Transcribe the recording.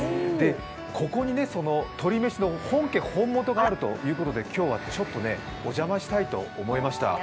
ここに鶏めしの本家本元があるということで今日はちょっとお邪魔したいと思いました。